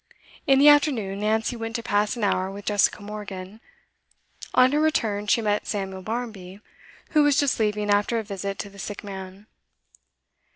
In the afternoon Nancy went to pass an hour with Jessica Morgan; on her return she met Samuel Barmby, who was just leaving after a visit to the sick man.